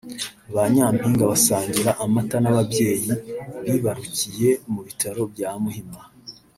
ba Nyampinga basangira amata n’ababyeyi bibarukiye mu bitaro bya Muhima